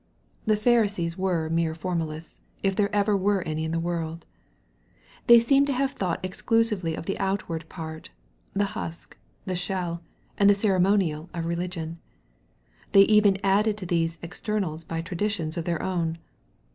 The Pharisees were mere formalists, if there ever were any in the world. They seem to have thought exclu sively of the outward part, the husk, the shell, and the ceremonial of religion. They even added to these exter nals by traditions of their own.